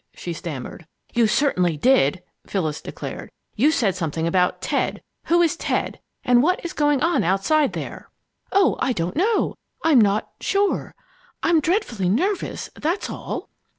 she stammered. "You certainly did!" Phyllis declared. "You said something about 'Ted.' Who is 'Ted,' and what is going on outside there?" "Oh, I don't know! I'm not sure! I'm dreadfully nervous that's all."